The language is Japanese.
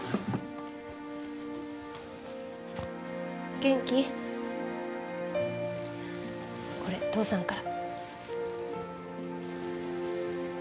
玄暉、これ、父さんから。